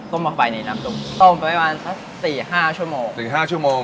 ลงไปในน้ำนมต้มไปประมาณสักสี่ห้าชั่วโมงสี่ห้าชั่วโมง